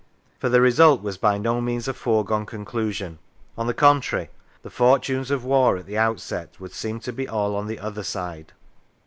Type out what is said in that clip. For the result was by no means a foregone conclusion. On the contrary, the fortunes of war at the outset would seem to be all on the other side.